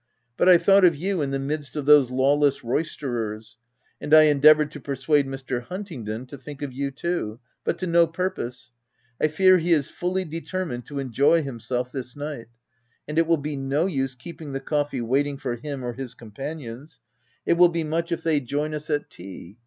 But I thought of you in the midst of those lawless roisterers ; and I endeavoured to persuade Mr. Huntingdon to think of you too ; but to no purpose : I fear he is fully determined to enjoy himself this night ; and it will be no use keeping the coffee waiting for him or his companions : it will be much if they join us at L 3 226 THE TENANT tea.